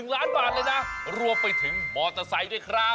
๑ล้านบาทเลยนะรวมไปถึงมอเตอร์ไซค์ด้วยครับ